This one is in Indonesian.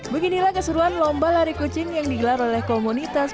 beginilah keseruan lomba lari kucing yang digelar oleh komunitas